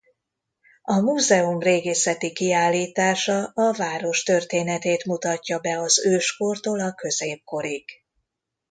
A múzeum régészeti kiállítása a város történetét mutatja be az őskortól a középkorig.